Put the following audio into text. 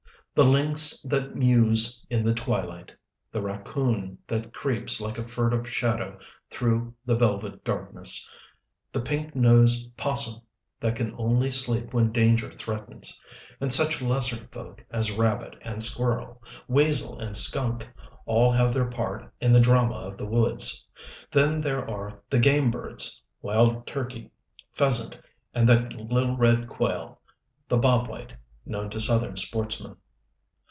The lynx that mews in the twilight, the raccoon that creeps like a furtive shadow through the velvet darkness, the pink nosed 'possum that can only sleep when danger threatens, and such lesser folk as rabbit and squirrel, weasel and skunk, all have their part in the drama of the woods. Then there are the game birds: wild turkey, pheasant, and that little red quail, the Bob White known to Southern sportsmen.